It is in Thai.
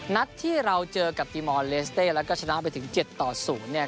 นัดที่เราเจอกับแล้วก็ชนะเอาไปถึงเจ็ดต่อศูนย์เนี่ย